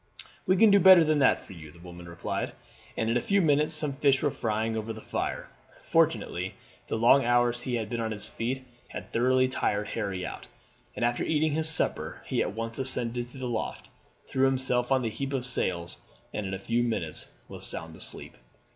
"We can do better than that for you," the woman replied, and in a few minutes some fish were frying over the fire. Fortunately the long hours he had been on his feet had thoroughly tired Harry out, and after eating his supper he at once ascended to the loft, threw himself on the heap of sails, and in a few minutes was sound asleep.